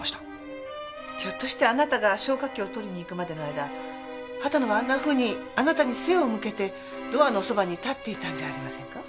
ひょっとしてあなたが消火器を取りに行くまでの間秦野はあんなふうにあなたに背を向けてドアのそばに立っていたんじゃありませんか？